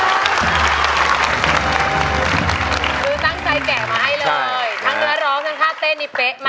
คือตั้งใจแกะมาให้เลยทั้งเนื้อร้องทั้งท่าเต้นนี่เป๊ะมาก